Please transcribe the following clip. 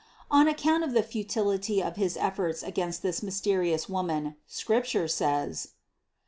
124 CITY OF GOD On account of the futility of his efforts against this mysterious Woman, Scripture says: 132.